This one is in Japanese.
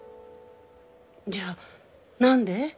じゃあ何で？